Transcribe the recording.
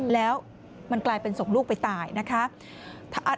แล้วมันกลายเป็นศพลูกไปตายนะคะ